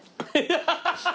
ハハハハ！